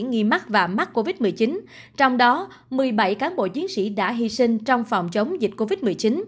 nghi mắc và mắc covid một mươi chín trong đó một mươi bảy cán bộ chiến sĩ đã hy sinh trong phòng chống dịch covid một mươi chín